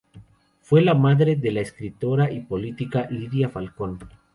Fue la madre de la escritora y política Lidia Falcón.